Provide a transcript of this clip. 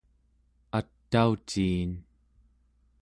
atauciin